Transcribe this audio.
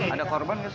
ada korban gak sih